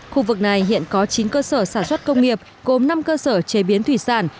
khu vực này hiện có chín cơ sở sản xuất công nghiệp gồm năm cơ sở chế biến thủy sản